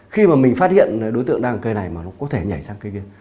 khi mà mình phát hiện đối tượng đang ở cây này mà nó có thể nhảy sang cây kia